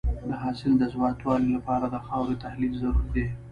د حاصل د زیاتوالي لپاره د خاورې تحلیل ضروري دی.